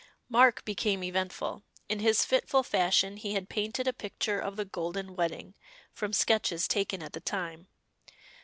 Mark became eventful. In his fitful fashion he had painted a picture of the Golden Wedding, from sketches taken at the time.